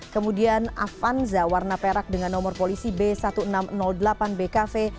kemudian avanza warna perak dengan nomor polisi b seribu enam ratus delapan bkv